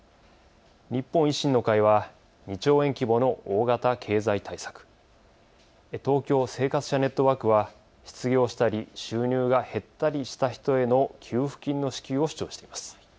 日本維新の会は２兆円規模の大型経済対策、東京・生活者ネットワークは失業したり収入が減ったりした人への給付金の支給を主張しています。